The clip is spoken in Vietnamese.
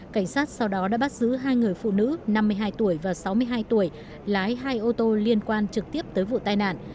cảnh sát sau đó đã bắt giữ hai người phụ nữ năm mươi hai tuổi và sáu mươi hai tuổi lái hai ô tô liên quan trực tiếp tới vụ tai nạn